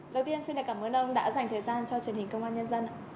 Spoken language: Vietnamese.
đầu tiên xin cảm ơn ông đã dành thời gian cho truyền hình công an nhân dân